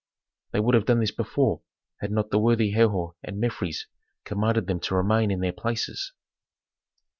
They would have done this before, had not the worthy Herhor and Mefres commanded them to remain in their places.